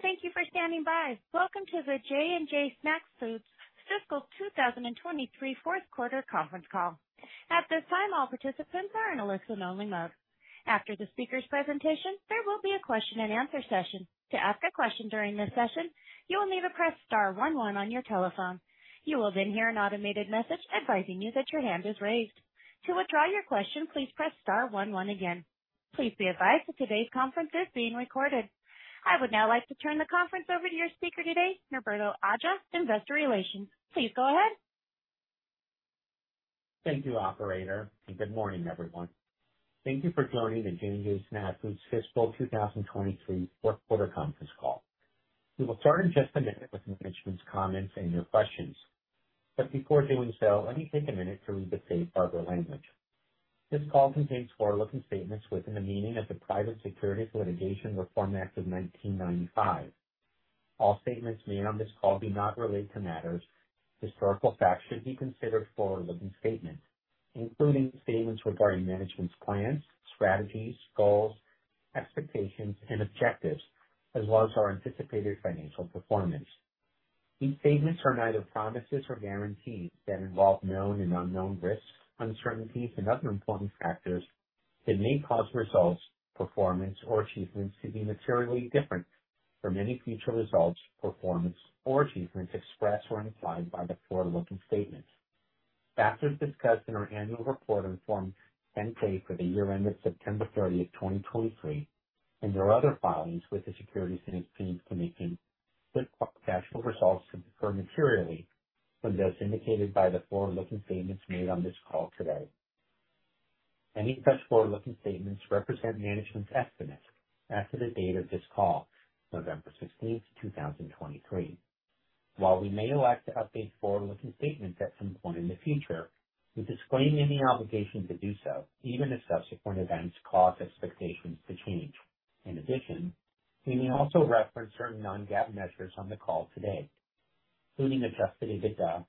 Thank you for standing by. Welcome to the J&J Snack Foods fiscal 2023 fourth quarter conference call. At this time, all participants are in a listen-only mode. After the speaker's presentation, there will be a question-and-answer session. To ask a question during this session, you will need to press star one one on your telephone. You will then hear an automated message advising you that your hand is raised. To withdraw your question, please press star one one again. Please be advised that today's conference is being recorded. I would now like to turn the conference over to your speaker today, Norberto Aja, Investor Relations. Please go ahead. Thank you, operator, and good morning, everyone. Thank you for joining the J&J Snack Foods fiscal 2023 fourth quarter conference call. We will start in just a minute with management's comments and your questions, but before doing so, let me take a minute to read the safe harbor language. This call contains forward-looking statements within the meaning of the Private Securities Litigation Reform Act of 1995. All statements made on this call that do not relate to historical facts should be considered forward-looking statements, including statements regarding management's plans, strategies, goals, expectations and objectives, as well as our anticipated financial performance. These statements are neither promises nor guarantees that involve known and unknown risks, uncertainties, and other important factors that may cause results, performance, or achievements to be materially different from any future results, performance or achievements expressed or implied by the forward-looking statements. Factors discussed in our annual report on Form 10-K for the year ended September 30, 2023, and our other filings with the Securities and Exchange Commission, could cause actual results to differ materially from those indicated by the forward-looking statements made on this call today. Any such forward-looking statements represent management's estimates as of the date of this call, November 16, 2023. While we may elect to update forward-looking statements at some point in the future, we disclaim any obligation to do so, even if subsequent events cause expectations to change. In addition, we may also reference certain non-GAAP measures on the call today, including Adjusted EBITDA,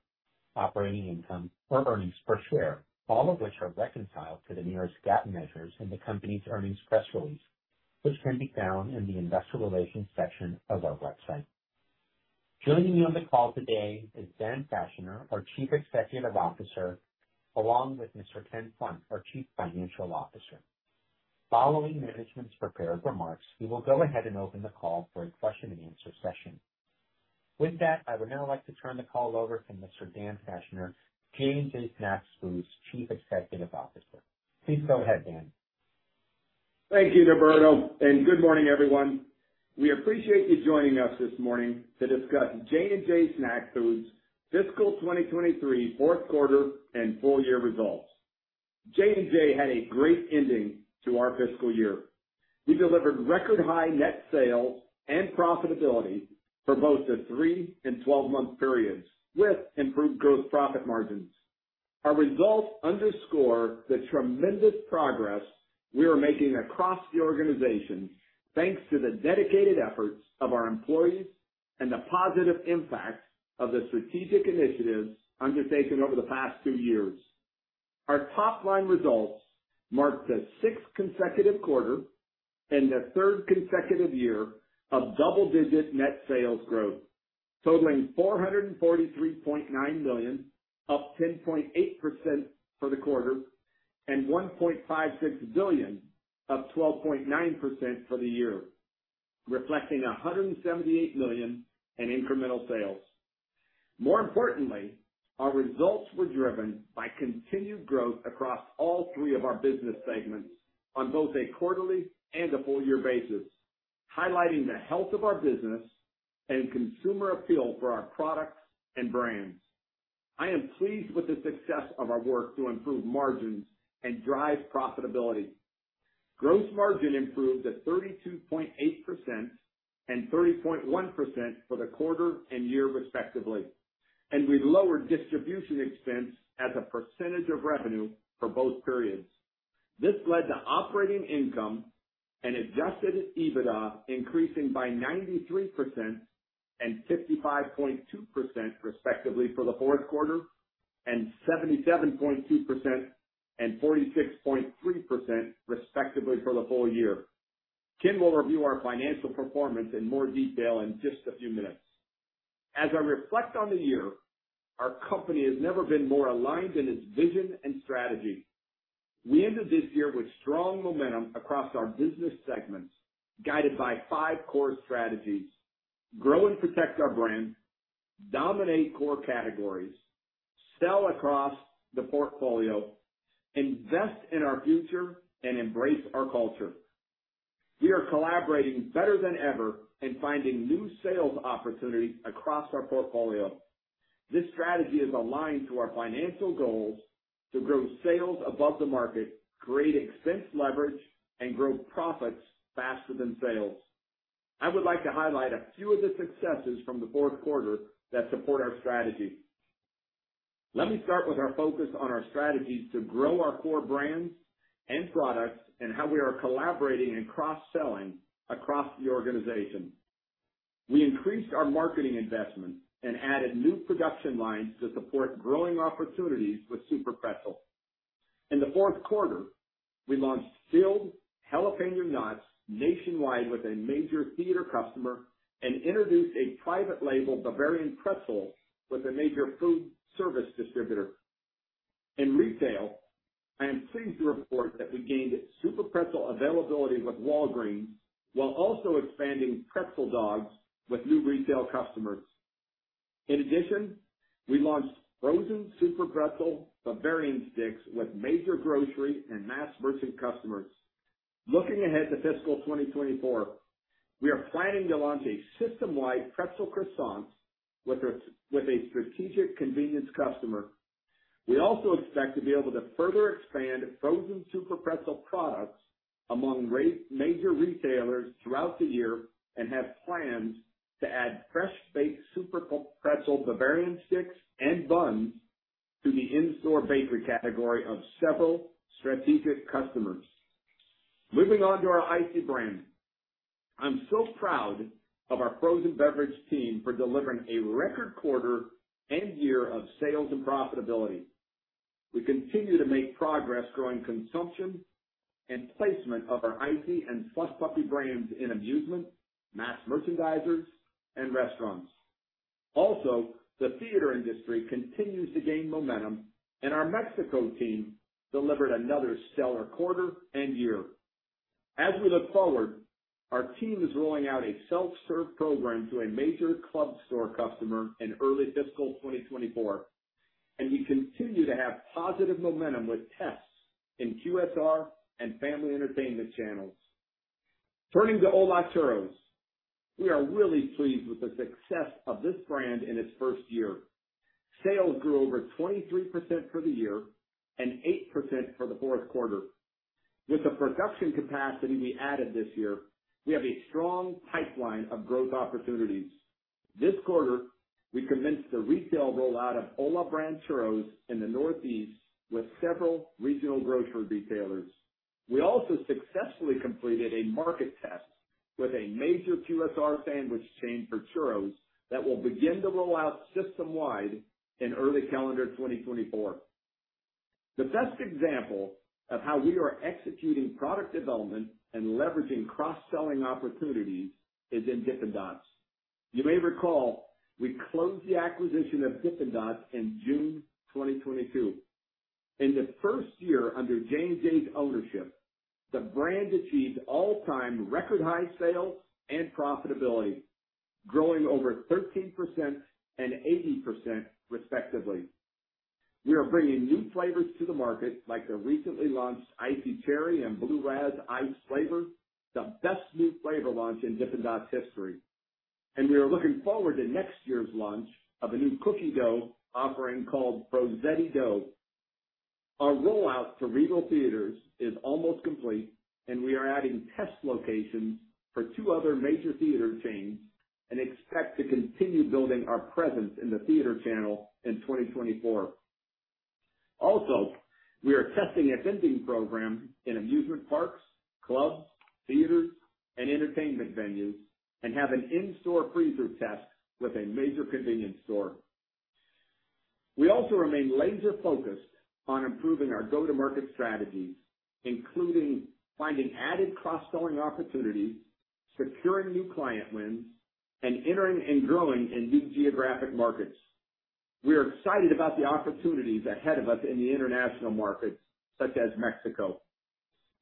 operating income or earnings per share, all of which are reconciled to the nearest GAAP measures in the company's earnings press release, which can be found in the Investor Relations section of our website. Joining me on the call today is Dan Fachner, our Chief Executive Officer, along with Mr. Ken Plunk, our Chief Financial Officer. Following management's prepared remarks, we will go ahead and open the call for a question-and-answer session. With that, I would now like to turn the call over to Mr. Dan Fachner, J&J Snack Foods' Chief Executive Officer. Please go ahead, Dan. Thank you, Norberto, and good morning, everyone. We appreciate you joining us this morning to discuss J&J Snack Foods' fiscal 2023 fourth quarter and full year results. J&J had a great ending to our fiscal year. We delivered record high net sales and profitability for both the 3 and 12-month periods, with improved gross profit margins. Our results underscore the tremendous progress we are making across the organization, thanks to the dedicated efforts of our employees and the positive impact of the strategic initiatives undertaken over the past two years. Our top-line results marked the sixth consecutive quarter and the third consecutive year of double-digit net sales growth, totaling $443.9 million, up 10.8% for the quarter, and $1.56 billion, up 12.9% for the year, reflecting $178 million in incremental sales. More importantly, our results were driven by continued growth across all three of our business segments on both a quarterly and a full year basis, highlighting the health of our business and consumer appeal for our products and brands. I am pleased with the success of our work to improve margins and drive profitability. Gross margin improved to 32.8% and 30.1% for the quarter and year, respectively, and we lowered distribution expense as a percentage of revenue for both periods. This led to operating income and Adjusted EBITDA increasing by 93% and 55.2%, respectively, for the fourth quarter, and 77.2% and 46.3%, respectively, for the full year. Ken will review our financial performance in more detail in just a few minutes. As I reflect on the year, our company has never been more aligned in its vision and strategy. We ended this year with strong momentum across our business segments, guided by five core strategies: grow and protect our brands, dominate core categories, sell across the portfolio, invest in our future, and embrace our culture. We are collaborating better than ever and finding new sales opportunities across our portfolio. This strategy is aligned to our financial goals to grow sales above the market, create expense leverage and grow profits faster than sales. I would like to highlight a few of the successes from the fourth quarter that support our strategy. Let me start with our focus on our strategies to grow our core brands and products, and how we are collaborating and cross-selling across the organization. We increased our marketing investments and added new production lines to support growing opportunities with SUPERPRETZEL. In the fourth quarter, we launched filled jalapeño knots nationwide with a major theater customer and introduced a private label Bavarian pretzel with a major food service distributor. In retail, I am pleased to report that we gained SUPERPRETZEL availability with Walgreens, while also expanding pretzel dogs with new retail customers. In addition, we launched frozen SUPERPRETZEL Bavarian sticks with major grocery and mass merchant customers. Looking ahead to fiscal 2024, we are planning to launch a system-wide pretzel croissants with a strategic convenience customer. We also expect to be able to further expand frozen SUPERPRETZEL products among major retailers throughout the year, and have plans to add fresh-baked SUPERPRETZEL Bavarian sticks and buns to the in-store bakery category of several strategic customers. Moving on to our ICEE brand. I'm so proud of our frozen beverage team for delivering a record quarter and year of sales and profitability. We continue to make progress growing consumption and placement of our ICEE and SLUSH PUPPiE brands in amusement, mass merchandisers, and restaurants. Also, the theater industry continues to gain momentum, and our Mexico team delivered another stellar quarter and year. As we look forward, our team is rolling out a self-serve program to a major club store customer in early fiscal 2024, and we continue to have positive momentum with tests in QSR and family entertainment channels. Turning to ¡Hola! Churros, we are really pleased with the success of this brand in its first year. Sales grew over 23% for the year and 8% for the fourth quarter. With the production capacity we added this year, we have a strong pipeline of growth opportunities. This quarter, we commenced the retail rollout of ¡Hola! Churros in the Northeast with several regional grocery retailers. We also successfully completed a market test with a major QSR sandwich chain for churros that will begin to roll out system-wide in early calendar 2024. The best example of how we are executing product development and leveraging cross-selling opportunities is in Dippin' Dots. You may recall, we closed the acquisition of Dippin' Dots in June 2022. In the first year under J&J's ownership, the brand achieved all-time record high sales and profitability, growing over 13% and 80% respectively. We are bringing new flavors to the market, like the recently launched ICEE Cherry and Blue Raz ICE flavor, the best new flavor launch in Dippin' Dots history. We are looking forward to next year's launch of a new cookie dough offering called Frozeti Dough. Our rollout for Regal Cinemas is almost complete, and we are adding test locations for two other major theater chains and expect to continue building our presence in the theater channel in 2024. Also, we are testing a vending program in amusement parks, clubs, theaters, and entertainment venues, and have an in-store freezer test with a major convenience store. We also remain laser focused on improving our go-to-market strategies, including finding added cross-selling opportunities, securing new client wins, and entering and growing in new geographic markets. We are excited about the opportunities ahead of us in the international markets, such as Mexico.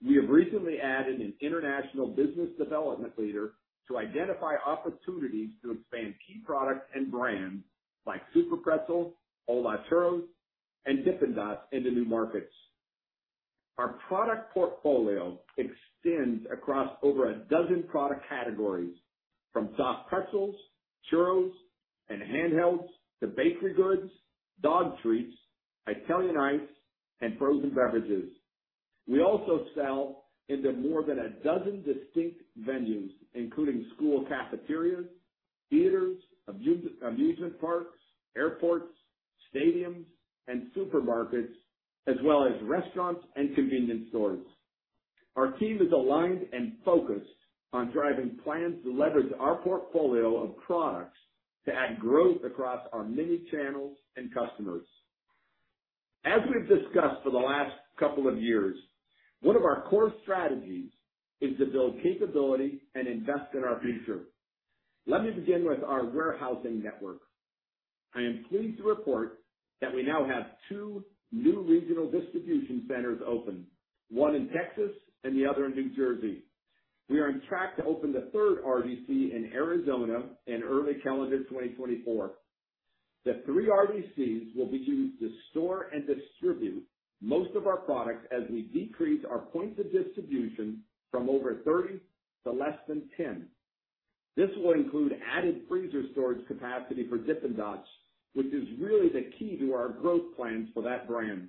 We have recently added an international business development leader to identify opportunities to expand key products and brands like SUPERPRETZEL, ¡Hola! Churros, and Dippin' Dots into new markets. Our product portfolio extends across over a dozen product categories, from soft Pretzels, churros, and handhelds to bakery goods, dog treats, Italian ice, and frozen beverages. We also sell into more than a dozen distinct venues, including school cafeterias, theaters, amusement parks, airports, stadiums, and supermarkets, as well as restaurants and convenience stores. Our team is aligned and focused on driving plans to leverage our portfolio of products to add growth across our many channels and customers. As we've discussed for the last couple of years, one of our core strategies is to build capability and invest in our future. Let me begin with our warehousing network. I am pleased to report that we now have two new regional distribution centers open, one in Texas and the other in New Jersey. We are on track to open the third RDC in Arizona in early calendar 2024. The three RDCs will be used to store and distribute most of our products as we decrease our points of distribution from over 30 to less than 10. This will include added freezer storage capacity for Dippin' Dots, which is really the key to our growth plans for that brand.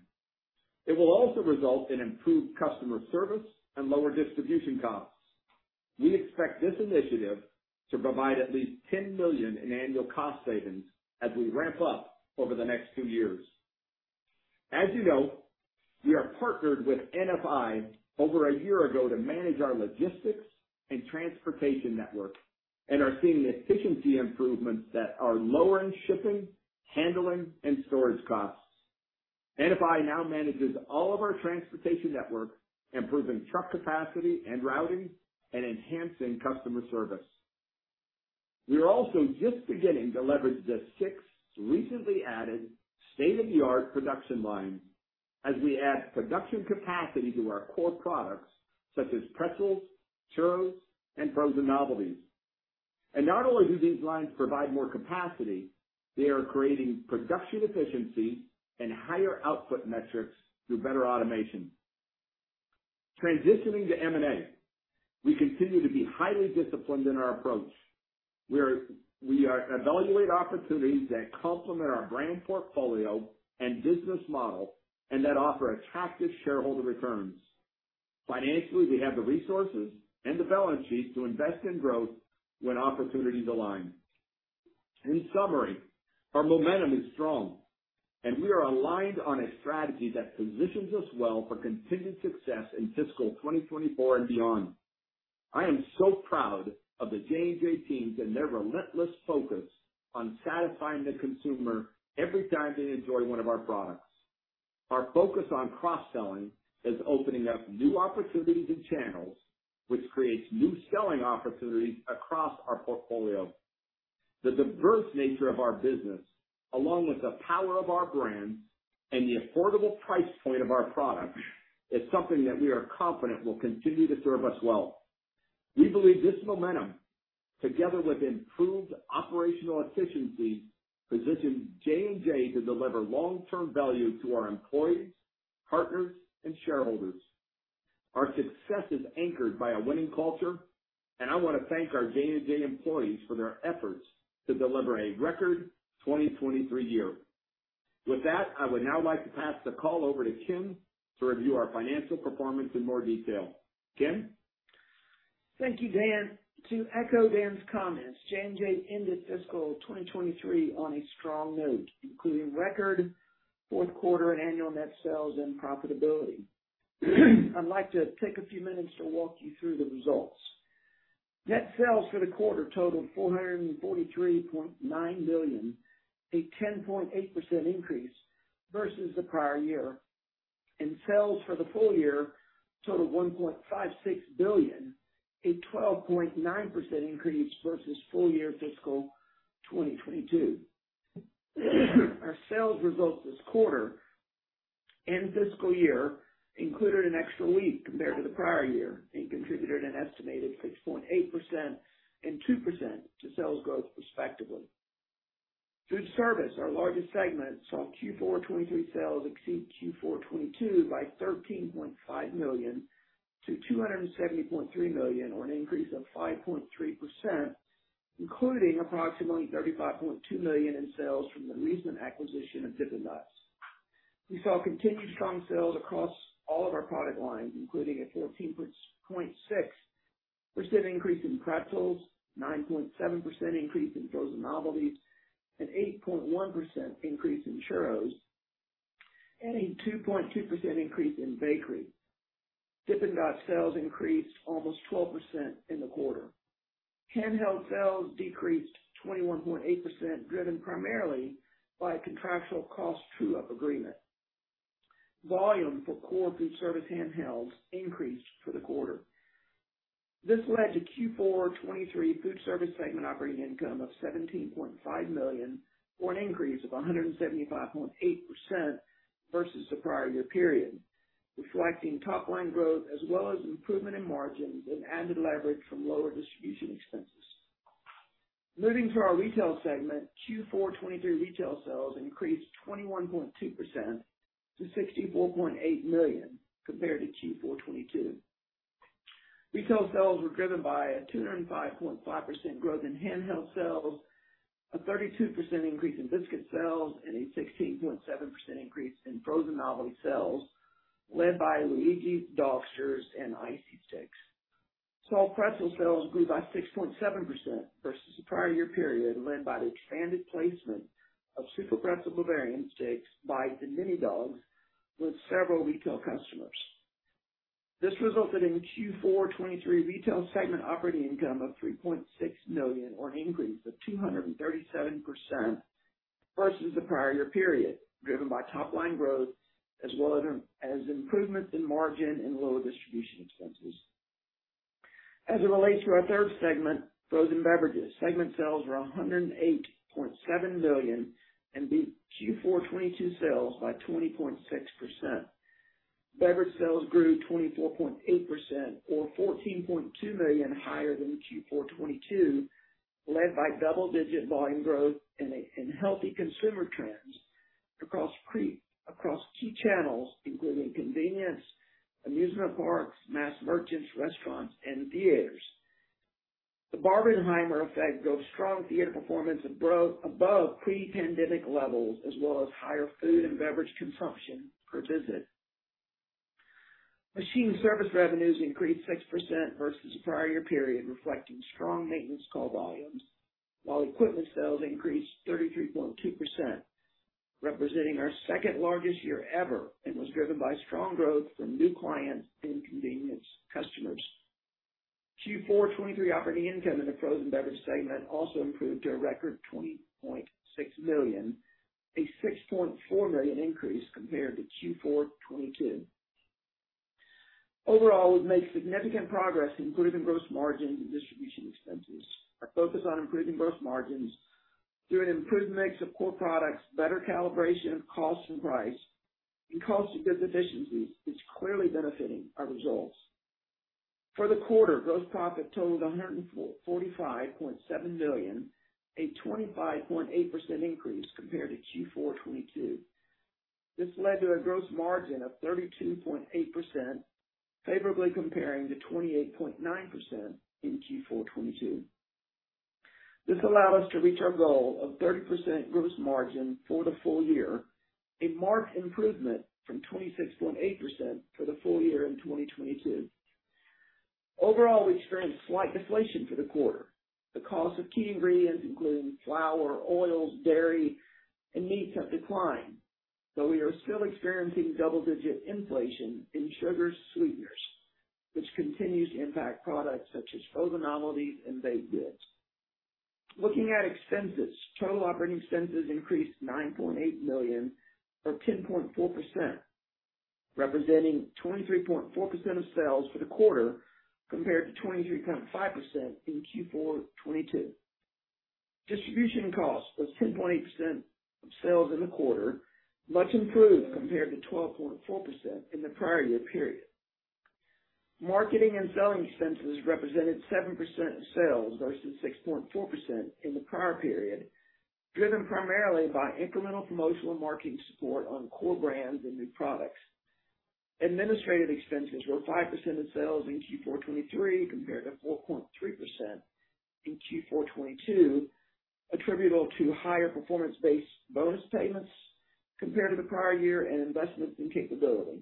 It will also result in improved customer service and lower distribution costs. We expect this initiative to provide at least $10 million in annual cost savings as we ramp up over the next 2 years. As you know, we are partnered with NFI over a year ago to manage our logistics and transportation network... and are seeing efficiency improvements that are lowering shipping, handling, and storage costs. NFI now manages all of our transportation network, improving truck capacity and routing and enhancing customer service. We are also just beginning to leverage the six recently added state-of-the-art production lines as we add production capacity to our core products, such as Pretzels, churros, and Frozen Novelties. And not only do these lines provide more capacity, they are creating production efficiency and higher output metrics through better automation. Transitioning to M&A, we continue to be highly disciplined in our approach. We evaluate opportunities that complement our brand portfolio and business model and that offer attractive shareholder returns. Financially, we have the resources and the balance sheet to invest in growth when opportunities align. In summary, our momentum is strong, and we are aligned on a strategy that positions us well for continued success in fiscal 2024 and beyond. I am so proud of the J&J teams and their relentless focus on satisfying the consumer every time they enjoy one of our products. Our focus on cross-selling is opening up new opportunities and channels, which creates new selling opportunities across our portfolio. The diverse nature of our business, along with the power of our brands and the affordable price point of our products, is something that we are confident will continue to serve us well. We believe this momentum, together with improved operational efficiency, positions J&J to deliver long-term value to our employees, partners, and shareholders. Our success is anchored by a winning culture, and I want to thank our J&J employees for their efforts to deliver a record 2023 year. With that, I would now like to pass the call over to Ken to review our financial performance in more detail. Ken? Thank you, Dan. To echo Dan's comments, J&J ended fiscal 2023 on a strong note, including record fourth quarter and annual net sales and profitability. I'd like to take a few minutes to walk you through the results. Net sales for the quarter totaled $443.9 million, a 10.8% increase versus the prior year, and sales for the full year totaled $1.56 billion, a 12.9% increase versus full year fiscal 2022. Our sales results this quarter and fiscal year included an extra week compared to the prior year and contributed an estimated 6.8% and 2% to sales growth respectively. Food service, our largest segment, saw Q4 2023 sales exceed Q4 2022 by $13.5 million to $270.3 million, or an increase of 5.3%, including approximately $35.2 million in sales from the recent acquisition of Dippin' Dots. We saw continued strong sales across all of our product lines, including a 14.6% increase in Pretzels, 9.7% increase in Frozen Novelties, an 8.1% increase in churros, and a 2.2% increase in bakery. Dippin' Dots sales increased almost 12% in the quarter. Handheld sales decreased 21.8%, driven primarily by a contractual cost true-up agreement. Volume for core food service handhelds increased for the quarter. This led to Q4 2023 food service segment operating income of $17.5 million, or an increase of 175.8% versus the prior year period, reflecting top line growth as well as improvement in margins and added leverage from lower distribution expenses. Moving to our retail segment, Q4 2023 retail sales increased 21.2% to $64.8 million compared to Q4 2022. Retail sales were driven by a 205.5% growth in handheld sales, a 32% increase in biscuit sales, and a 16.7% increase in Frozen Novelty sales, led by LUIGI'S, Dogsters, and ICEE Sticks. Soft Pretzel sales grew by 6.7% versus the prior year period, led by the expanded placement of SUPERPRETZEL Bavarian Sticks by the Mini Dogs with several retail customers. This resulted in Q4 2023 retail segment operating income of $3.6 million, or an increase of 237% versus the prior year period, driven by top line growth as well as improvements in margin and lower distribution expenses. As it relates to our third segment, frozen beverages, segment sales were $108.7 million and beat Q4 2022 sales by 20.6%. Beverage sales grew 24.8% or $14.2 million higher than Q4 2022, led by double-digit volume growth and healthy consumer trends across key channels, including convenience, amusement parks, mass merchants, restaurants, and theaters. The Barbenheimer effect drove strong theater performance above pre-pandemic levels, as well as higher food and beverage consumption per visit. Machine service revenues increased 6% versus the prior year period, reflecting strong maintenance call-off while equipment sales increased 33.2%, representing our second largest year ever, and was driven by strong growth from new clients and convenience customers. Q4 2023 operating income in the frozen beverage segment also improved to a record $20.6 million, a $6.4 million increase compared to Q4 2022. Overall, we've made significant progress in improving gross margin and distribution expenses. Our focus on improving gross margins through an improved mix of core products, better calibration of cost and price, and cost of goods efficiency is clearly benefiting our results. For the quarter, gross profit totaled $145.7 million, a 25.8% increase compared to Q4 2022. This led to a gross margin of 32.8%, favorably comparing to 28.9% in Q4 2022. This allowed us to reach our goal of 30% gross margin for the full year, a marked improvement from 26.8% for the full year in 2022. Overall, we experienced slight deflation for the quarter. The cost of key ingredients, including flour, oils, dairy, and meats, have declined, though we are still experiencing double-digit inflation in sugar sweeteners, which continues to impact products such as Frozen Novelties and baked goods. Looking at expenses, total operating expenses increased $9.8 million, or 10.4%, representing 23.4% of sales for the quarter, compared to 23.5% in Q4 2022. Distribution costs was 10.8% of sales in the quarter, much improved compared to 12.4% in the prior year period. Marketing and selling expenses represented 7% of sales versus 6.4% in the prior period, driven primarily by incremental promotional and marketing support on core brands and new products. Administrative expenses were 5% of sales in Q4 2023 compared to 4.3% in Q4 2022, attributable to higher performance-based bonus payments compared to the prior year and investments in capability.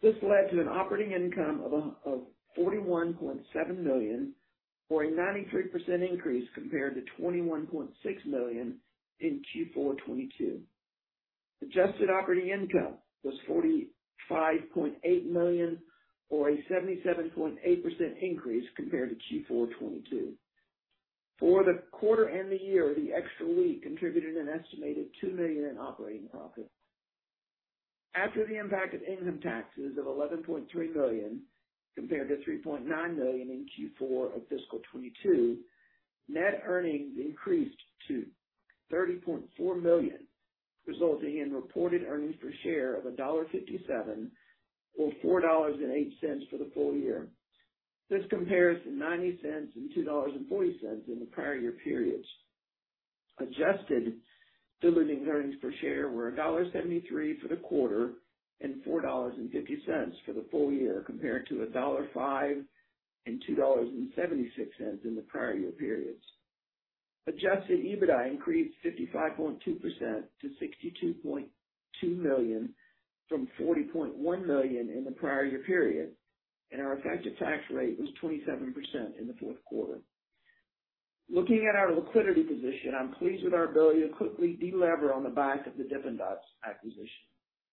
This led to an operating income of of $41.7 million, or a 93% increase compared to $21.6 million in Q4 2022. Adjusted operating income was $45.8 million or a 77.8% increase compared to Q4 2022. For the quarter and the year, the extra week contributed an estimated $2 million in operating profit. After the impact of income taxes of $11.3 million compared to $3.9 million in Q4 of fiscal 2022, net earnings increased to $30.4 million, resulting in reported earnings per share of $1.57 or $4.08 for the full year. This compares to $0.90 and $2.40 in the prior year periods. Adjusted diluted earnings per share were $1.73 for the quarter and $4.50 for the full year, compared to $1.05 and $2.76 in the prior year periods. Adjusted EBITDA increased 55.2% to $62.2 million from $40.1 million in the prior year period, and our effective tax rate was 27% in the fourth quarter. Looking at our liquidity position, I'm pleased with our ability to quickly delever on the back of the Dippin' Dots acquisition.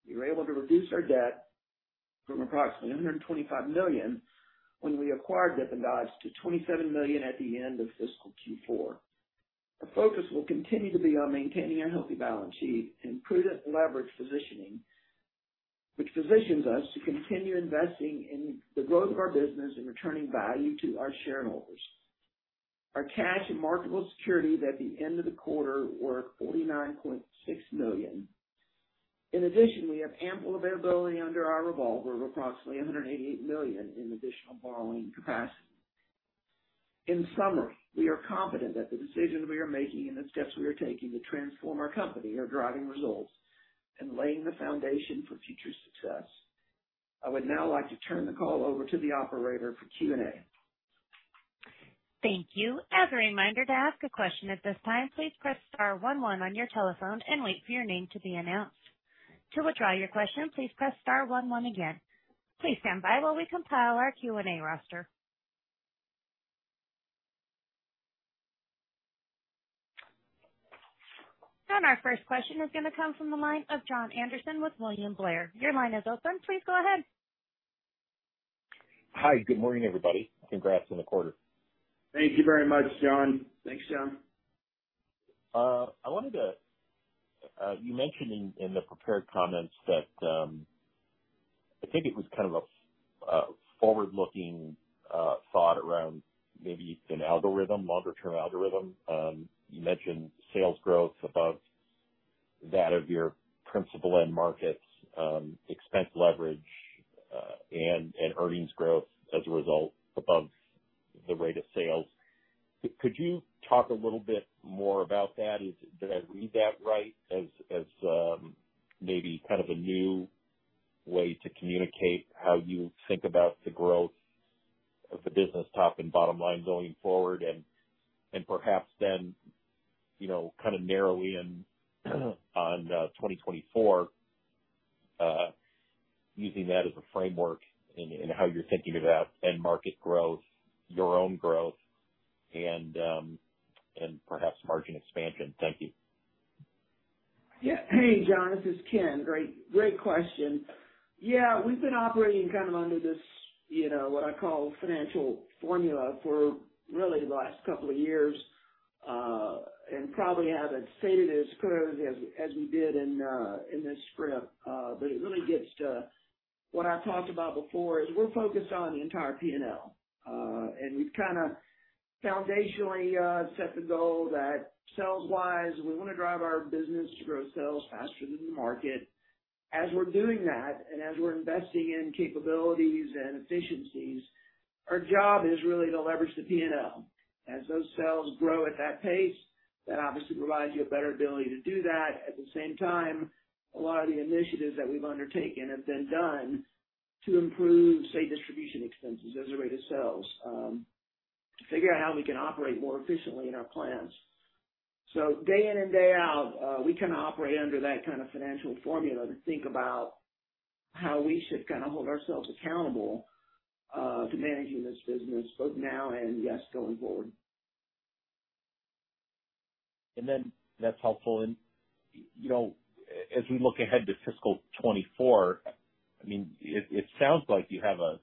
We were able to reduce our debt from approximately $125 million when we acquired Dippin' Dots, to $27 million at the end of fiscal Q4. Our focus will continue to be on maintaining a healthy balance sheet and prudent leverage positioning, which positions us to continue investing in the growth of our business and returning value to our shareholders. Our cash and marketable securities at the end of the quarter were $49.6 million. In addition, we have ample availability under our revolver of approximately $188 million in additional borrowing capacity. In summary, we are confident that the decisions we are making and the steps we are taking to transform our company are driving results and laying the foundation for future success. I would now like to turn the call over to the operator for Q&A. Thank you. As a reminder, to ask a question at this time, please press star one, one on your telephone and wait for your name to be announced. To withdraw your question, please press star one, one again. Please stand by while we compile our Q&A roster. Our first question is gonna come from the line of Jon Andersen with William Blair. Your line is open. Please go ahead. Hi, good morning, everybody. Congrats on the quarter. Thank you very much, Jon. Thanks, Jon. I wanted to, you mentioned in the prepared comments that, I think it was kind of a, a forward-looking, thought around maybe an algorithm, longer term algorithm. You mentioned sales growth above that of your principal end markets, expense leverage, and earnings growth as a result above the rate of sales. Could you talk a little bit more about that? Did I read that right, as, maybe kind of a new way to communicate how you think about the growth of the business top and bottom line going forward? And, perhaps then, you know, kind of narrowly in on, 2024... using that as a framework in how you're thinking about end market growth, your own growth, and perhaps margin expansion. Thank you. Yeah. Hey, Jon, this is Ken. Great, great question. Yeah, we've been operating kind of under this, you know, what I call financial formula for really the last couple of years, and probably haven't stated it as clearly as we did in this script. But it really gets to what I've talked about before, is we're focused on the entire P&L. And we've kind of foundationally set the goal that sales wise, we wanna drive our business to grow sales faster than the market. As we're doing that, and as we're investing in capabilities and efficiencies, our job is really to leverage the P&L. As those sales grow at that pace, that obviously provides you a better ability to do that. At the same time, a lot of the initiatives that we've undertaken have been done to improve, say, distribution expenses as a rate of sales, to figure out how we can operate more efficiently in our plans. So day in and day out, we kind of operate under that kind of financial formula to think about how we should kind of hold ourselves accountable, to managing this business, both now and yes, going forward. And then that's helpful. And, you know, as we look ahead to fiscal 2024, I mean, it sounds like you have a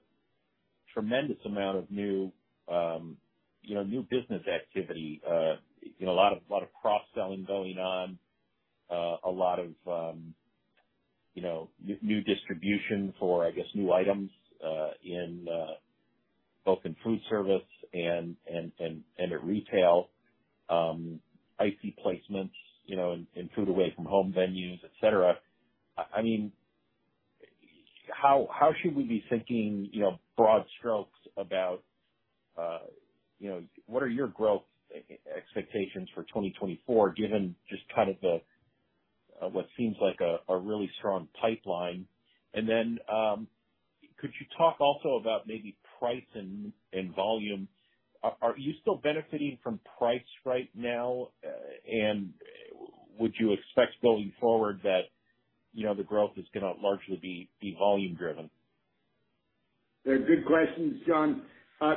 tremendous amount of new, you know, new business activity. You know, a lot of cross-selling going on, a lot of new distribution for, I guess, new items in both food service and at retail, ICEE placements, you know, in food away from home venues, et cetera. I mean, how should we be thinking, you know, broad strokes about, you know... What are your growth expectations for 2024, given just kind of what seems like a really strong pipeline? And then, could you talk also about maybe price and volume? Are you still benefiting from price right now? Would you expect going forward that, you know, the growth is gonna largely be volume driven? They're good questions, Jon.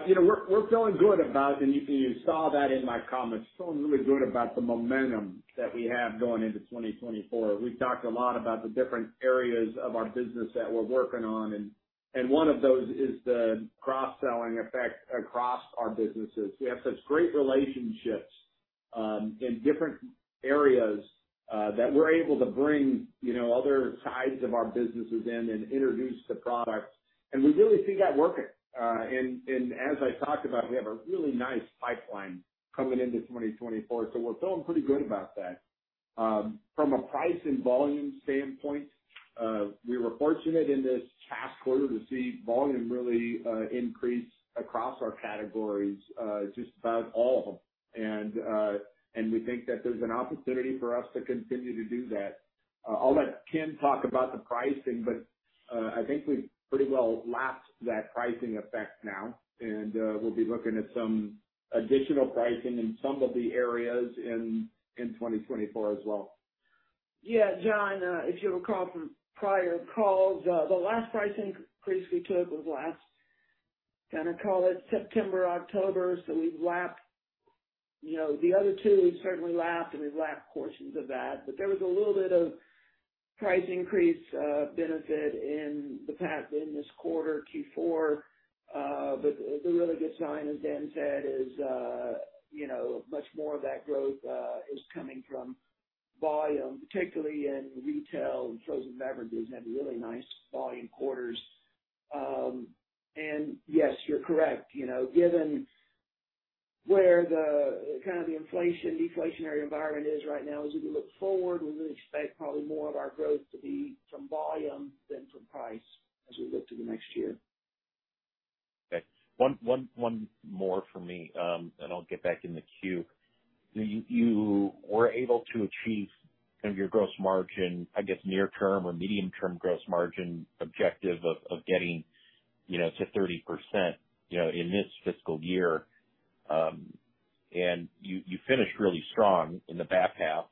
You know, we're feeling good about, and you saw that in my comments, feeling really good about the momentum that we have going into 2024. We've talked a lot about the different areas of our business that we're working on, and one of those is the cross-selling effect across our businesses. We have such great relationships in different areas that we're able to bring, you know, other sides of our businesses in and introduce the products, and we really see that working. As I talked about, we have a really nice pipeline coming into 2024, so we're feeling pretty good about that. From a price and volume standpoint, we were fortunate in this past quarter to see volume really increase across our categories, just about all of them. And we think that there's an opportunity for us to continue to do that. I'll let Ken talk about the pricing, but I think we've pretty well lapsed that pricing effect now, and we'll be looking at some additional pricing in some of the areas in 2024 as well. Yeah, Jon, if you recall from prior calls, the last price increase we took was last, gonna call it September, October, so we've lapsed. You know, the other two, we've certainly lapsed and we've lapsed portions of that. But there was a little bit of price increase, benefit in the past, in this quarter, Q4. But a really good sign, as Dan said, is, you know, much more of that growth, is coming from volume, particularly in retail and frozen beverages, had really nice volume quarters. And yes, you're correct, you know, given where the kind of the inflation, deflationary environment is right now, as we look forward, we would expect probably more of our growth to be from volume than from price as we look to the next year. Okay. One more from me, and I'll get back in the queue. You were able to achieve kind of your gross margin, I guess, near term or medium-term gross margin objective of getting, you know, to 30%, you know, in this fiscal year. And you finished really strong in the back half,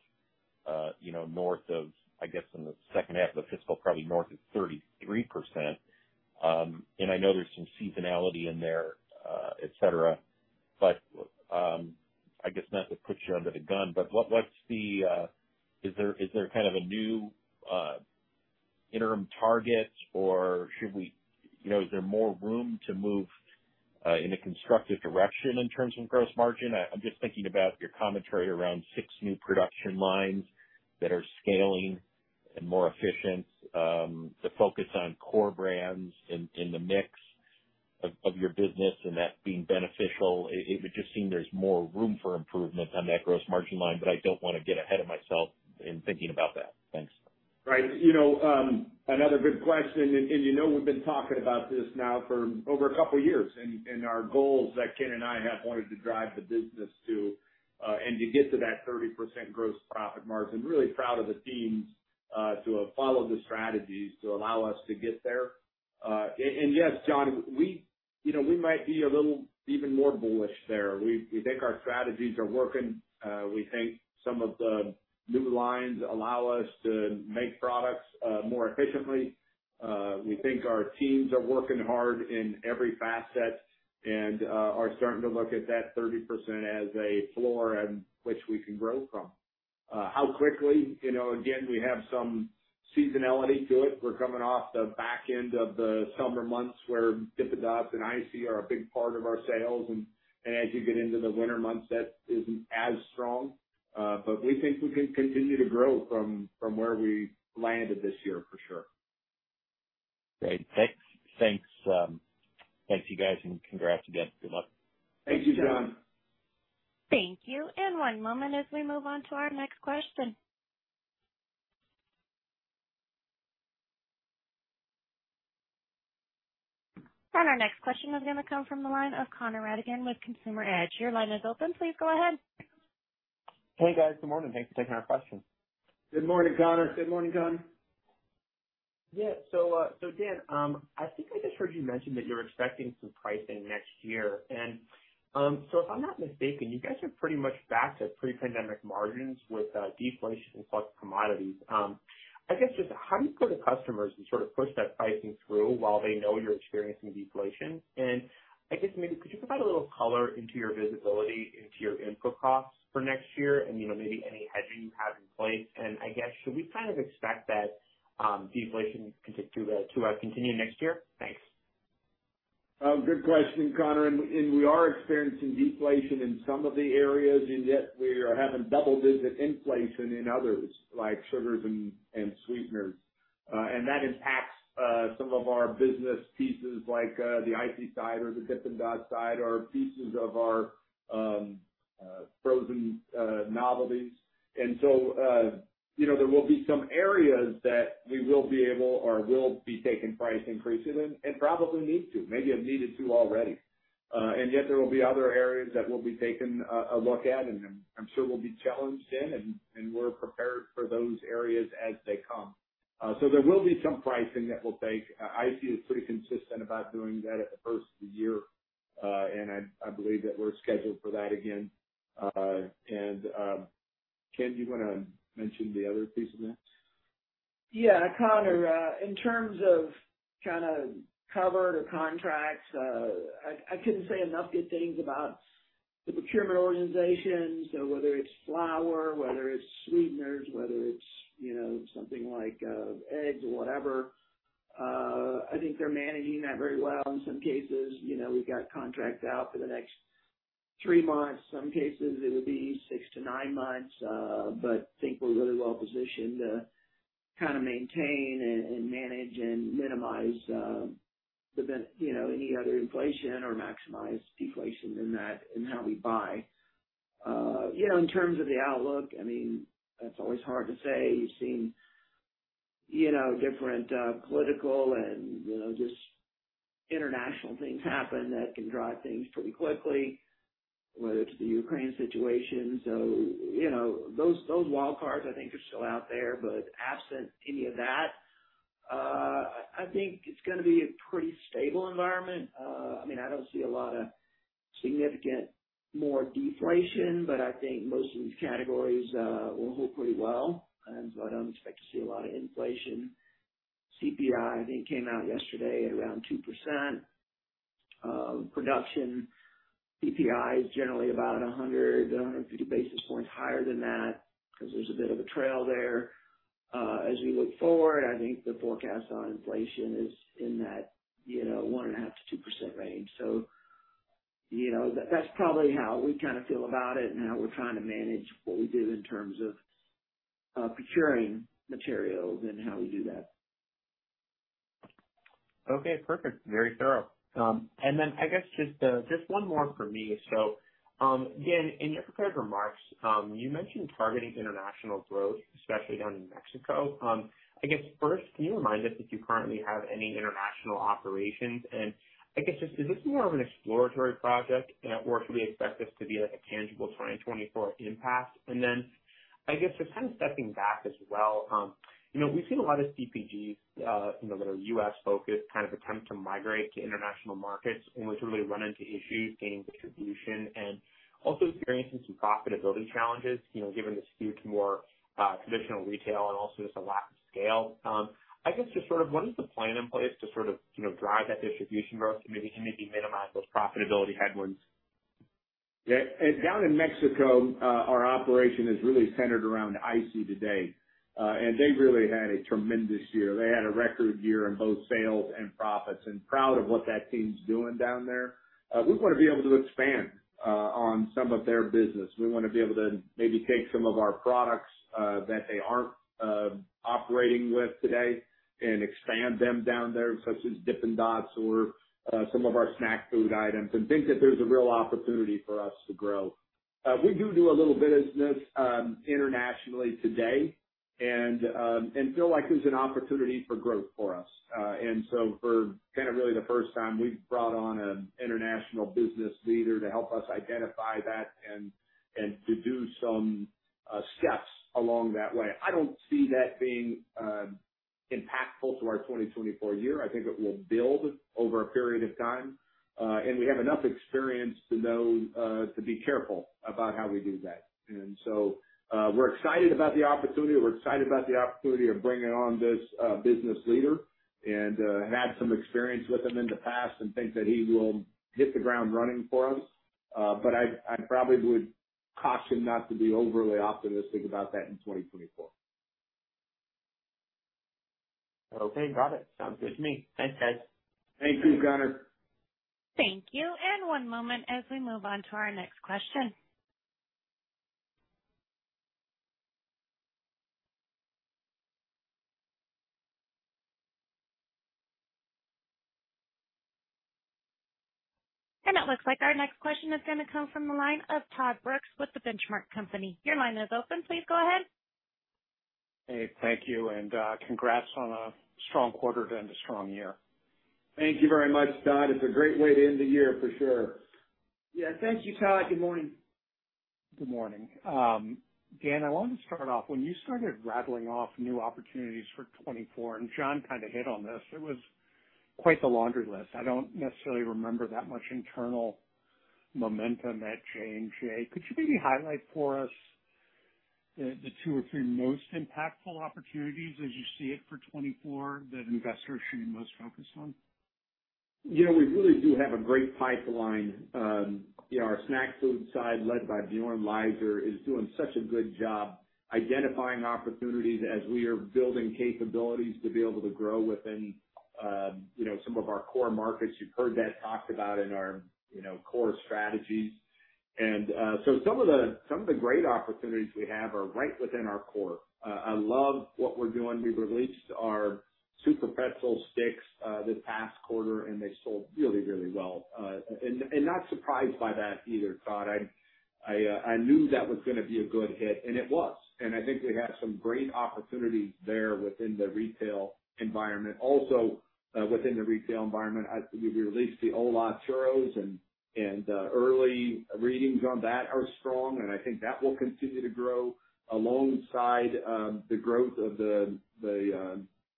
you know, north of, I guess, in the second half of the fiscal, probably north of 33%. And I know there's some seasonality in there, et cetera, but I guess not to put you under the gun, but what's the... Is there kind of a new interim target, or should we, you know, is there more room to move in a constructive direction in terms of gross margin? I'm just thinking about your commentary around 6 new production lines that are scaling and more efficient, the focus on core brands in the mix of your business and that being beneficial. It would just seem there's more room for improvement on that gross margin line, but I don't wanna get ahead of myself in thinking about that. Thanks. Right. You know, another good question, and you know, we've been talking about this now for over a couple years, and our goals that Ken and I have wanted to drive the business to, and to get to that 30% gross profit margin. Really proud of the teams to have followed the strategies to allow us to get there.... And yes, Jon, we, you know, we might be a little even more bullish there. We think our strategies are working. We think some of the new lines allow us to make products more efficiently. We think our teams are working hard in every facet and are starting to look at that 30% as a floor on which we can grow from. How quickly? You know, again, we have some seasonality to it. We're coming off the back end of the summer months, where Dippin' Dots and ICEE are a big part of our sales, and as you get into the winter months, that isn't as strong. But we think we can continue to grow from where we landed this year, for sure. Great. Thanks. Thanks, thank you, guys, and congrats again. Good luck. Thank you, Jon. Thank you. And one moment as we move on to our next question. And our next question is gonna come from the line of Connor Rattigan with Consumer Edge. Your line is open. Please go ahead. Hey, guys, good morning. Thanks for taking our question. Good morning, Connor. Good morning, Connor. Yeah. So, so Dan, I think I just heard you mention that you're expecting some pricing next year. And, so if I'm not mistaken, you guys are pretty much back to pre-pandemic margins with deflation plus commodities. I guess, just how do you go to customers and sort of push that pricing through while they know you're experiencing deflation? And I guess maybe could you provide a little color into your visibility into your input costs for next year, and, you know, maybe any hedging you have in place, and I guess, should we kind of expect that deflation to continue next year? Thanks. Good question, Connor, and we are experiencing deflation in some of the areas, and yet we are having double-digit inflation in others, like sugars and sweeteners. And that impacts some of our business pieces like the ICEE side or the Dippin' Dots side or pieces of our Frozen Novelties. And so, you know, there will be some areas that we will be able or will be taking price increases in, and probably need to, maybe have needed to already. And yet there will be other areas that will be taken a look at, and I'm sure we'll be challenged in, and we're prepared for those areas as they come. So there will be some pricing that we'll take. ICEE is pretty consistent about doing that at the first of the year. I believe that we're scheduled for that again. Ken, do you wanna mention the other piece of that? Yeah, Connor, in terms of kind of contract coverage, I couldn't say enough good things about the procurement organization. So whether it's flour, whether it's sweeteners, whether it's, you know, something like eggs or whatever, I think they're managing that very well. In some cases, you know, we've got contracts out for the next 3 months, some cases it would be 6-9 months, but think we're really well positioned to kind of maintain and manage and minimize, you know, any other inflation or maximize deflation in that, in how we buy. You know, in terms of the outlook, I mean, that's always hard to say. You've seen, you know, different political and just international things happen that can drive things pretty quickly, whether it's the Ukraine situation. So, you know, those wild cards I think are still out there. But absent any of that, I think it's gonna be a pretty stable environment. I mean, I don't see a lot of significant more deflation, but I think most of these categories will hold pretty well. But I don't expect to see a lot of inflation. CPI, I think, came out yesterday at around 2%. Production CPI is generally about 100-150 basis points higher than that, 'cause there's a bit of a trail there. As we look forward, I think the forecast on inflation is in that, you know, 1.5%-2% range. You know, that's probably how we kinda feel about it, and how we're trying to manage what we do in terms of procuring materials and how we do that. Okay, perfect. Very thorough. And then I guess just, just one more from me. So, Dan, in your prepared remarks, you mentioned targeting international growth, especially down in Mexico. I guess first, can you remind us if you currently have any international operations? And I guess just, is this more of an exploratory project, and at worst, we expect this to be like a tangible 2024 impact? And then, I guess, just kind of stepping back as well, you know, we've seen a lot of CPGs, you know, that are U.S. focused, kind of attempt to migrate to international markets and would really run into issues gaining distribution and also experiencing some profitability challenges, you know, given the skew to more, traditional retail and also just a lack of scale. I guess, just sort of what is the plan in place to sort of, you know, drive that distribution growth maybe and maybe minimize those profitability headwinds? Yeah, and down in Mexico, our operation is really centered around ICEE today. And they've really had a tremendous year. They had a record year in both sales and profits, and proud of what that team's doing down there. We wanna be able to expand on some of their business. We wanna be able to maybe take some of our products that they aren't operating with today and expand them down there, such as Dippin' Dots or some of our snack food items, and think that there's a real opportunity for us to grow. We do do a little business internationally today, and feel like there's an opportunity for growth for us. And so for kinda really the first time, we've brought on an international business leader to help us identify that and to do some. Steps along that way. I don't see that being impactful to our 2024 year. I think it will build over a period of time, and we have enough experience to know to be careful about how we do that. And so, we're excited about the opportunity. We're excited about the opportunity of bringing on this business leader and had some experience with him in the past and think that he will hit the ground running for us. But I probably would caution not to be overly optimistic about that in 2024. Okay, got it. Sounds good to me. Thanks, guys. Thank you, Connor. Thank you. And one moment as we move on to our next question. And it looks like our next question is gonna come from the line of Todd Brooks with The Benchmark Company. Your line is open. Please go ahead. Hey, thank you, and congrats on a strong quarter and a strong year. Thank you very much, Todd. It's a great way to end the year, for sure. Yeah. Thank you, Todd. Good morning. Good morning. Dan, I wanted to start off, when you started rattling off new opportunities for 2024, and John kind of hit on this, it was quite the laundry list. I don't necessarily remember that much internal momentum at J&J. Could you maybe highlight for us the two or three most impactful opportunities as you see it for 2024, that investors should be most focused on? You know, we really do have a great pipeline. You know, our snack food side, led by Bjoern Leyser, is doing such a good job identifying opportunities as we are building capabilities to be able to grow within, you know, some of our core markets. You've heard that talked about in our, you know, core strategies. So some of the great opportunities we have are right within our core. I love what we're doing. We released our SUPERPRETZEL sticks this past quarter, and they sold really, really well. And not surprised by that either, Todd. I knew that was gonna be a good hit, and it was, and I think we have some great opportunities there within the retail environment. Also, within the retail environment, we released the ¡Hola! Churros and early readings on that are strong, and I think that will continue to grow alongside the growth of the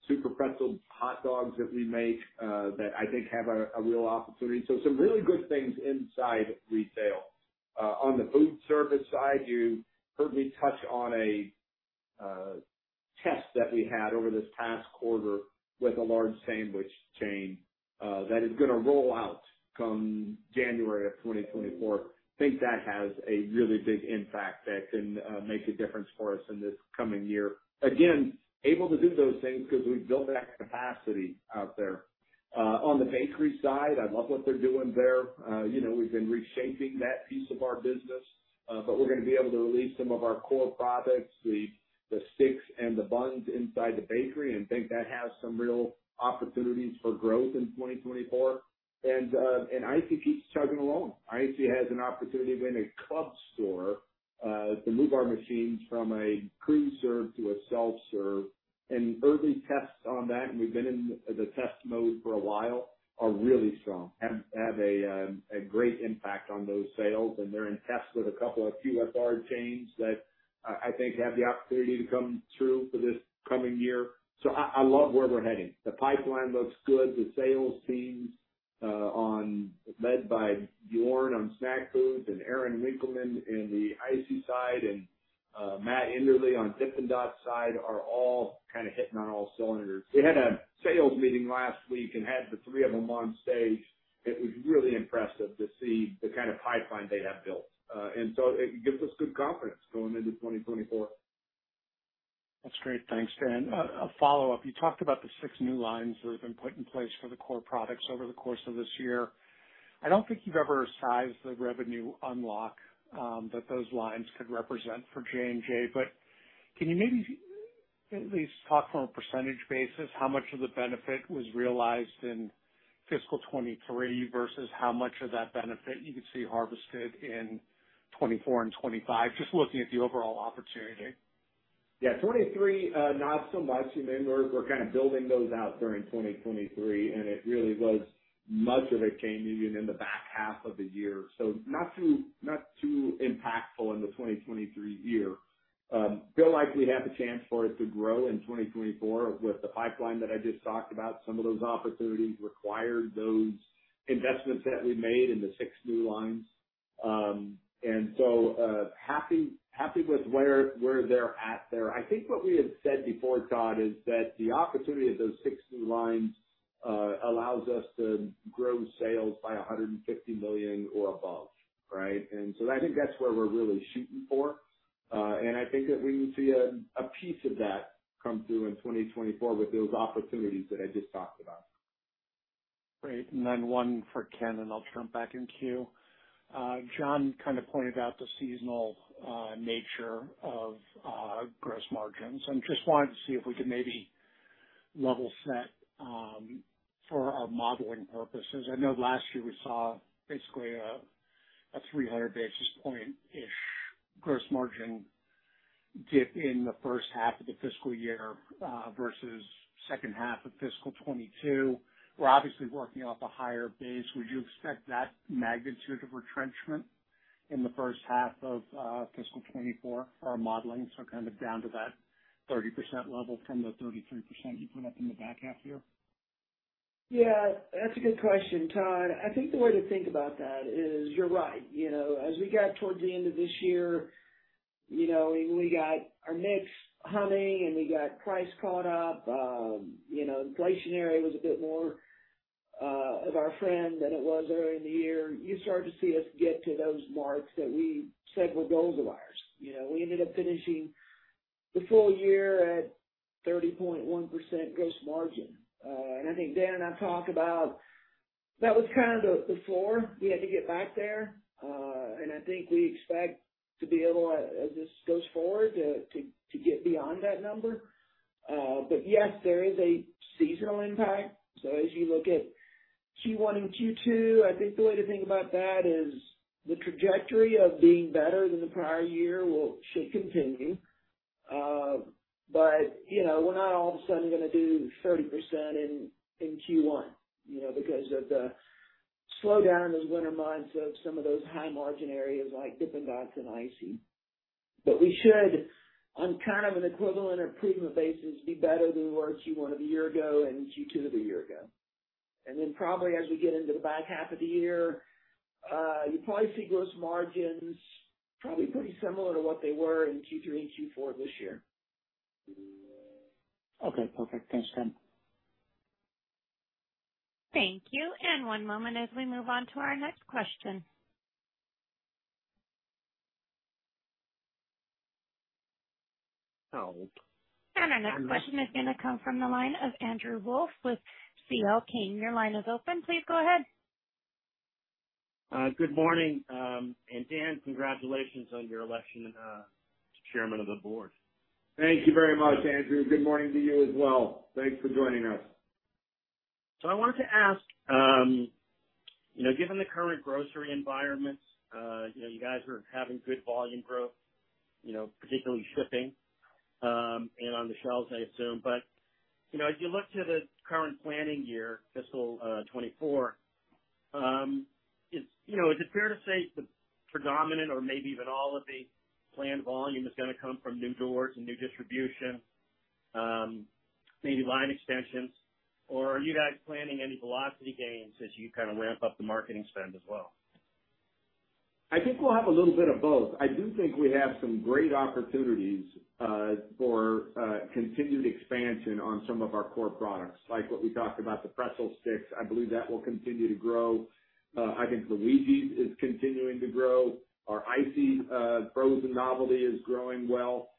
SUPERPRETZEL hot dogs that we make that I think have a real opportunity. So some really good things inside retail. On the food service side, you heard me touch on a test that we had over this past quarter with a large sandwich chain that is gonna roll out come January of 2024. Think that has a really big impact that can make a difference for us in this coming year. Again, able to do those things because we've built that capacity out there. On the bakery side, I love what they're doing there. You know, we've been reshaping that piece of our business, but we're gonna be able to release some of our core products, the sticks and the buns inside the bakery, and think that has some real opportunities for growth in 2024. And ICEE keeps chugging along. ICEE has an opportunity with a club store to move our machines from a pre-serve to a self-serve. And early tests on that, and we've been in the test mode for a while, are really strong, have a great impact on those sales. And they're in tests with a couple of QSR chains that I think have the opportunity to come through for this coming year. So I love where we're heading. The pipeline looks good. The sales teams led by Bjoern Leyser on snack foods and Aaron Winkelman in the ICEE side, and Matt Inderlied on Dippin' Dots side, are all kind of hitting on all cylinders. We had a sales meeting last week and had the three of them on stage. It was really impressive to see the kind of pipeline they have built. And so it gives us good confidence going into 2024. That's great. Thanks, Dan. A follow-up: You talked about the six new lines that have been put in place for the core products over the course of this year. I don't think you've ever sized the revenue unlock, that those lines could represent for J&J, but can you maybe at least talk from a percentage basis, how much of the benefit was realized in fiscal 2023, versus how much of that benefit you could see harvested in 2024 and 2025? Just looking at the overall opportunity. Yeah, 2023, not so much. I mean, we're, we're kind of building those out during 2023, and it really was, much of it came even in the back half of the year, so not too, not too impactful in the 2023 year. Feel like we have a chance for it to grow in 2024 with the pipeline that I just talked about. Some of those opportunities required those investments that we made in the six new lines. And so, happy, happy with where, where they're at there. I think what we had said before, Todd, is that the opportunity of those six new lines allows us to grow sales by $150 million or above, right? And so I think that's where we're really shooting for. I think that we will see a piece of that come through in 2024 with those opportunities that I just talked about. Great. And then one for Ken, and I'll turn back in queue. John kind of pointed out the seasonal nature of gross margins. I just wanted to see if we could maybe level set for our modeling purposes. I know last year we saw basically a 300 basis point-ish gross margin dip in the first half of the fiscal year versus second half of fiscal 2022. We're obviously working off a higher base. Would you expect that magnitude of retrenchment in the first half of fiscal 2024? Our modeling is kind of down to that 30% level from the 33% you put up in the back half year. Yeah, that's a good question, Todd. I think the way to think about that is you're right. You know, as we got towards the end of this year, you know, and we got our mix humming, and we got price caught up, you know, inflationary was a bit more of our friend than it was earlier in the year. You start to see us get to those marks that we said were guard wires. You know, we ended up finishing the full year at 30.1% gross margin. And I think Dan and I talked about... That was kind of the, the floor. We had to get back there. And I think we expect to be able, as this goes forward, to get beyond that number. But yes, there is a seasonal impact. So as you look at Q1 and Q2, I think the way to think about that is the trajectory of being better than the prior year will, should continue. But you know, we're not all of a sudden gonna do 30% in Q1, you know, because of the slowdown those winter months of some of those high margin areas like Dippin' Dots and ICEE. But we should, on kind of an equivalent or premium basis, be better than we were Q1 of a year ago and Q2 of a year ago. And then probably as we get into the back half of the year, you'll probably see gross margins probably pretty similar to what they were in Q3 and Q4 this year. Okay, perfect. Thanks, Dan. Thank you, and one moment as we move on to our next question. Oh. Our next question is gonna come from the line of Andrew Wolf with C.L. King. Your line is open. Please go ahead. Good morning. And Dan, congratulations on your election as Chairman of the Board. Thank you very much, Andrew. Good morning to you as well. Thanks for joining us. So I wanted to ask, you know, given the current grocery environment, you know, you guys are having good volume growth, you know, particularly shipping, and on the shelves, I assume. But, you know, as you look to the current planning year, fiscal 2024, is, you know, is it fair to say the predominant or maybe even all of the planned volume is gonna come from new doors and new distribution, maybe line extensions, or are you guys planning any velocity gains as you kind of ramp up the marketing spend as well? I think we'll have a little bit of both. I do think we have some great opportunities for continued expansion on some of our core products, like what we talked about, the pretzel sticks. I believe that will continue to grow. I think the Luigi's is continuing to grow. Our ICEE frozen novelty is growing well.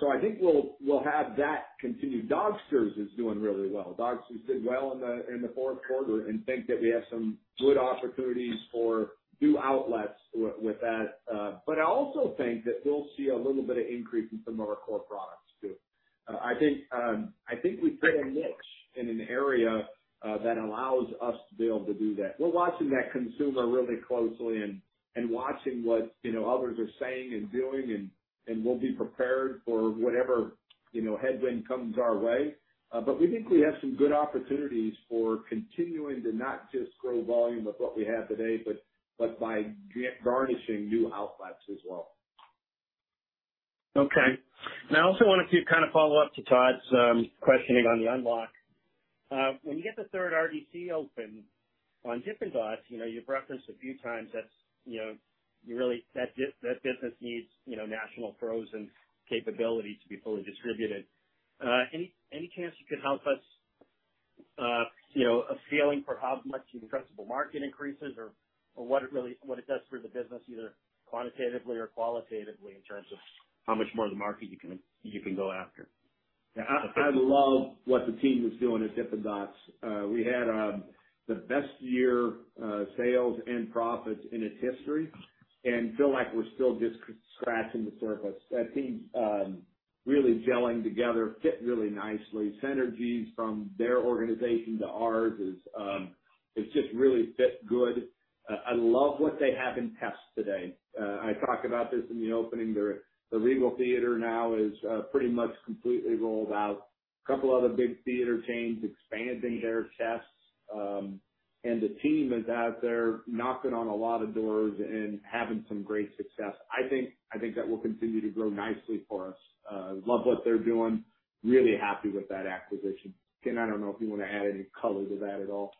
So I think we'll have that continue. Dogsters is doing really well. Dogsters did well in the fourth quarter, and think that we have some good opportunities for new outlets with that. But I also think that we'll see a little bit of increase in some of our core products, too. I think we fit a niche in an area that allows us to be able to do that. We're watching that consumer really closely and watching what, you know, others are saying and doing and we'll be prepared for whatever, you know, headwind comes our way. But we think we have some good opportunities for continuing to not just grow volume of what we have today, but by garnishing new outlets as well. Okay. I also wanted to kind of follow up to Todd's questioning on the unlock. When you get the third RDC open on Dippin' Dots, you know, you've referenced a few times that, you know, you really, that business needs, you know, national frozen capability to be fully distributed. Any chance you could help us, you know, a feeling for how much the addressable market increases or what it really does for the business, either quantitatively or qualitatively, in terms of how much more of the market you can go after? Yeah. I love what the team is doing at Dippin' Dots. We had the best year, sales and profits in its history and feel like we're still just scratching the surface. That team really gelling together, fit really nicely. Synergies from their organization to ours is, it's just really fit good. I love what they have in tests today. I talked about this in the opening. The Regal Cinemas now is pretty much completely rolled out. A couple other big theater chains expanding their tests. And the team is out there knocking on a lot of doors and having some great success. I think that will continue to grow nicely for us. Love what they're doing. Really happy with that acquisition. Dan, I don't know if you want to add any color to that at all.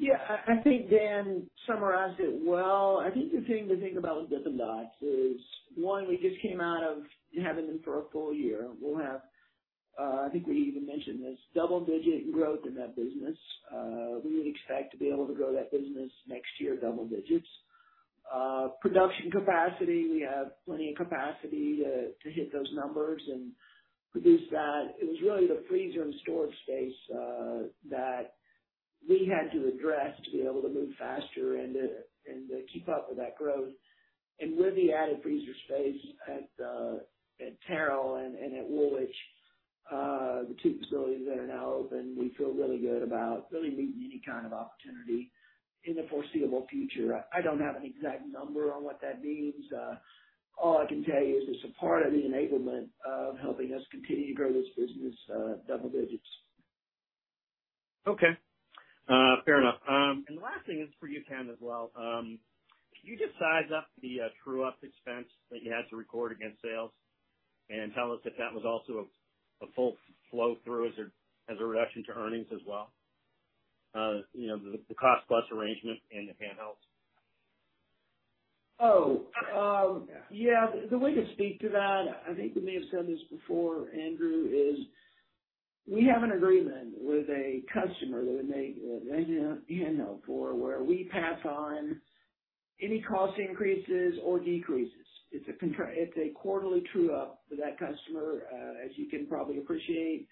Yeah, I, I think Dan summarized it well. I think the thing to think about with Dippin' Dots is, one, we just came out of having them for a full year. We'll have -- I think we even mentioned this, double-digit growth in that business. We expect to be able to grow that business next year, double digits. Production capacity, we have plenty of capacity to hit those numbers and produce that. It was really the freezer and storage space that we had to address to be able to move faster and to keep up with that growth. And with the added freezer space at Terrell and at Woolwich, the two facilities that are now open, we feel really good about really meeting any kind of opportunity in the foreseeable future. I don't have an exact number on what that means. All I can tell you is it's a part of the enablement of helping us continue to grow this business, double digits. Okay. Fair enough. And the last thing is for you, Ken, as well. Could you just size up the true-up expense that you had to record against sales and tell us if that was also a full flow through as a reduction to earnings as well? You know, the cost plus arrangement in the handhelds. The way to speak to that, I think we may have said this before, Andrew, is we have an agreement with a customer that we make a handheld for, where we pass on any cost increases or decreases. It's a quarterly true up for that customer. As you can probably appreciate,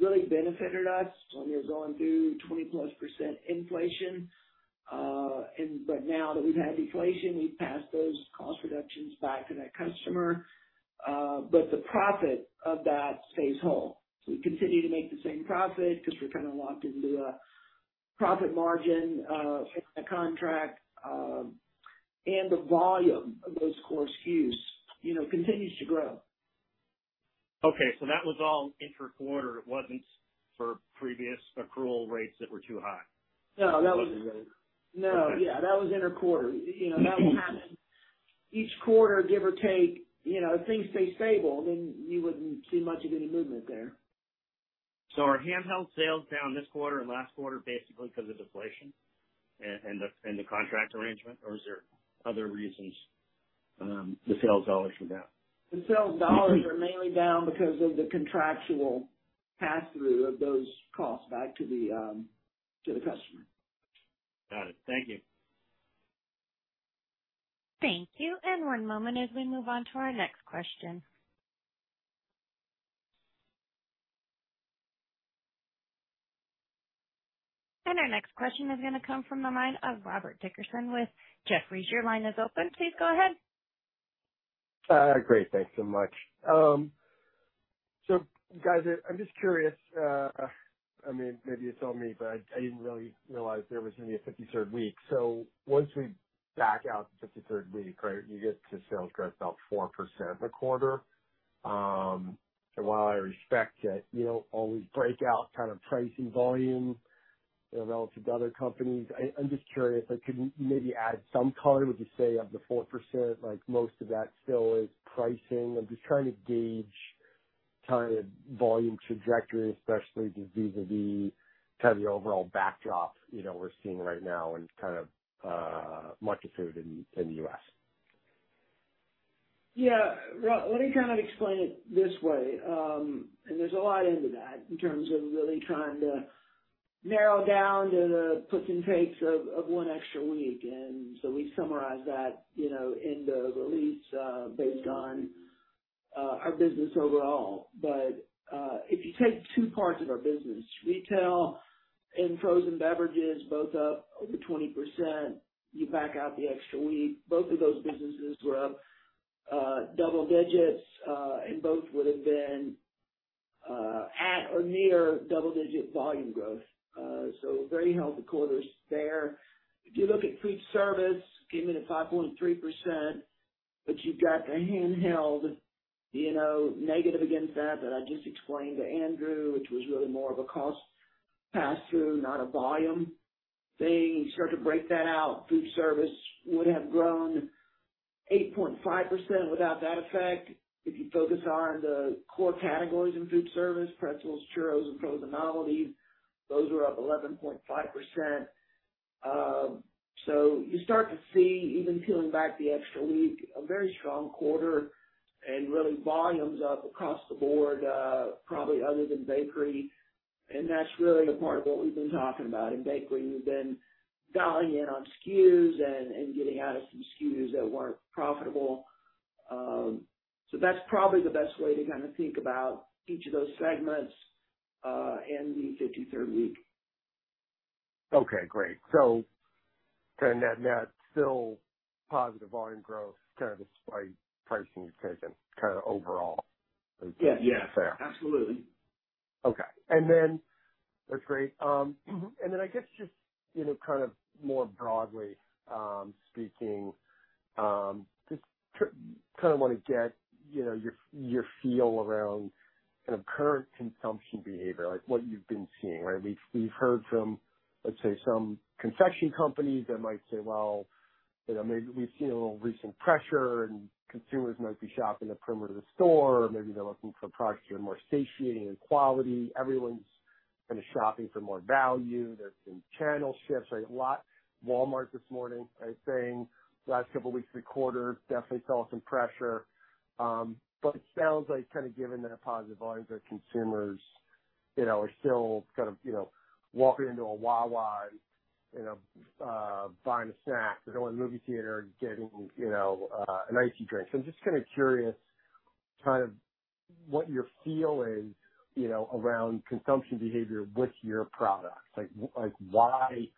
really benefited us when we were going through 20%+ inflation. And but now that we've had deflation, we've passed those cost reductions back to that customer. But the profit of that stays whole. So we continue to make the same profit because we're kind of locked into a profit margin in the contract, and the volume of those core SKUs, you know, continues to grow. Okay, so that was all interquarter. It wasn't for previous accrual rates that were too high? No, that was- Okay. No. Yeah, that was interquarter. You know, that will happen. Each quarter, give or take, you know, if things stay stable, then you wouldn't see much of any movement there. So are handheld sales down this quarter and last quarter, basically because of deflation and the contract arrangement, or is there other reasons, the sales dollars were down? The sales dollars are mainly down because of the contractual pass-through of those costs back to the, to the customer. Got it. Thank you. Thank you. One moment as we move on to our next question. Our next question is going to come from the line of Rob Dickerson with Jefferies. Your line is open. Please go ahead. Great, thanks so much. So guys, I'm just curious, I mean, maybe it's on me, but I didn't really realize there was going to be a 53rd week. So once we back out the 53rd week, right, you get to sales growth about 4% a quarter. So while I respect that you don't always break out kind of pricing volume, you know, relative to other companies, I'm just curious if I could maybe add some color. Would you say of the 4%, like, most of that still is pricing? I'm just trying to gauge kind of volume trajectory, especially just vis-a-vis kind of the overall backdrop, you know, we're seeing right now and kind of food market in the U.S. Yeah. Rob, let me kind of explain it this way. And there's a lot into that in terms of really trying to narrow down to the puts and takes of one extra week. And so we summarized that, you know, in the release, based on our business overall. But if you take two parts of our business, retail and frozen beverages, both up over 20%, you back out the extra week, both of those businesses were up double digits, and both would have been at or near double-digit volume growth. So very healthy quarters there. If you look at food service, given the 5.3%, but you've got the handheld, you know, negative against that, that I just explained to Andrew, which was really more of a cost pass-through, not a volume thing. You start to break that out, food service would have grown 8.5% without that effect. If you focus on the core categories in food service, Pretzels, churros, and Frozen Novelties, those are up 11.5%. So you start to see, even peeling back the extra week, a very strong quarter and really volumes up across the board, probably other than bakery. And that's really a part of what we've been talking about. In bakery, we've been dialing in on SKUs and, and getting out of some SKUs that weren't profitable. So that's probably the best way to kind of think about each of those segments, and the 53rd week. Okay, great. So then that's still positive volume growth, kind of despite pricing you've taken, kind of overall? Yeah. Yeah. Fair. Absolutely. Okay. That's great. And then I guess just, you know, kind of more broadly, speaking, just kind of want to get, you know, your, your feel around kind of current consumption behavior, like what you've been seeing, right? We've, we've heard from, let's say, some confection companies that might say, "Well, you know, maybe we've seen a little recent pressure, and consumers might be shopping the perimeter of the store, or maybe they're looking for products that are more satiating in quality. Everyone's kind of shopping for more value. There's been channel shifts." Right? Walmart this morning, right, saying the last couple weeks of the quarter definitely felt some pressure. But it sounds like kind of given that a positive volume, but consumers, you know, are still kind of, you know, walking into a Wawa and, you know, buying a snack. They're going to the movie theater and getting, you know, an icy drink. So I'm just kinda curious, kind of what you're feeling, you know, around consumption behavior with your products. Like, like, why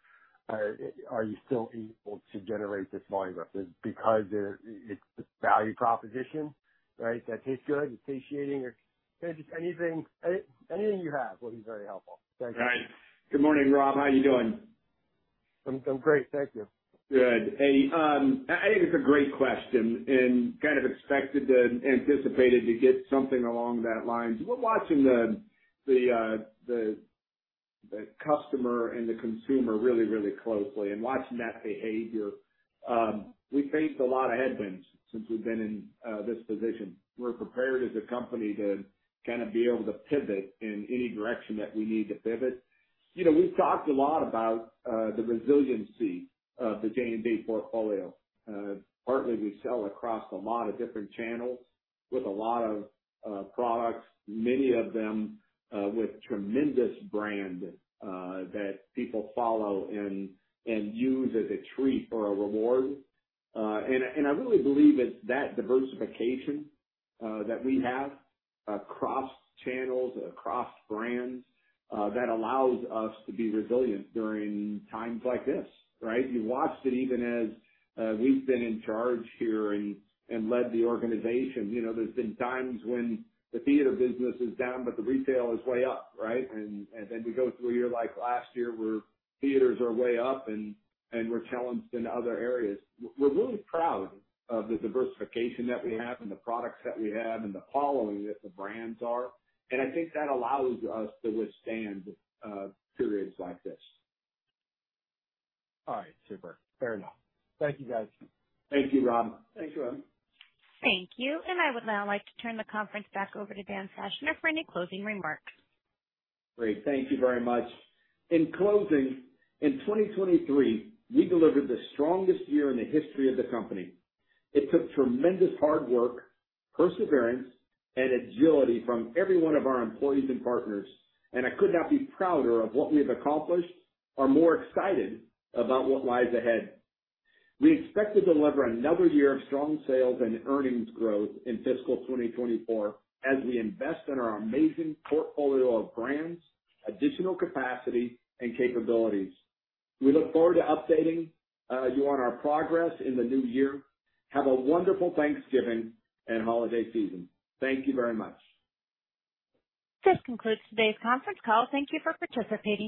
are, are you still able to generate this volume growth? Is it because it, it's value proposition, right, that tastes good, it's satiating, or just anything, anything you have will be very helpful. Thank you. Right. Good morning, Rob. How are you doing?... I'm great. Thank you. Good. And, I think it's a great question and kind of expected and anticipated to get something along that line. We're watching the customer and the consumer really closely and watching that behavior. We've faced a lot of headwinds since we've been in this position. We're prepared as a company to kind of be able to pivot in any direction that we need to pivot. You know, we've talked a lot about the resiliency of the J&J portfolio. Partly, we sell across a lot of different channels with a lot of products, many of them with tremendous brand that people follow and use as a treat or a reward. And I really believe it's that diversification that we have across channels, across brands, that allows us to be resilient during times like this, right? You watched it even as we've been in charge here and led the organization. You know, there's been times when the theater business is down, but the retail is way up, right? And then we go through a year like last year, where theaters are way up and we're challenged in other areas. We're really proud of the diversification that we have and the products that we have and the following that the brands are, and I think that allows us to withstand periods like this. All right. Super. Fair enough. Thank you, guys. Thank you, Rob. Thanks, Rob. Thank you. I would now like to turn the conference back over to Dan Fachner for any closing remarks. Great. Thank you very much. In closing, in 2023, we delivered the strongest year in the history of the company. It took tremendous hard work, perseverance, and agility from every one of our employees and partners, and I could not be prouder of what we've accomplished or more excited about what lies ahead. We expect to deliver another year of strong sales and earnings growth in fiscal 2024, as we invest in our amazing portfolio of brands, additional capacity, and capabilities. We look forward to updating you on our progress in the new year. Have a wonderful Thanksgiving and holiday season. Thank you very much. This concludes today's conference call. Thank you for participating.